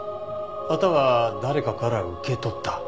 または誰かから受け取った。